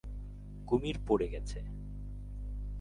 কুমির পড়ে গেছে!